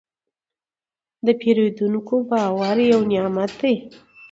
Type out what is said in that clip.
د پیرودونکي باور یو نعمت دی.